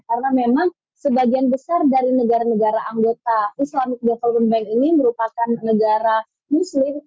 karena memang sebagian besar dari negara negara anggota islamic development bank ini merupakan negara muslim